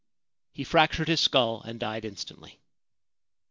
1 He fractured his skull, and died instantly.